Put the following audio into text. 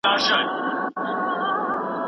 هیڅکله د نجلۍ د اینده مخه مه نیسئ.